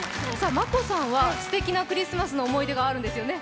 ＭＡＫＯさんはすてきなクリスマスの思い出があるんですよね。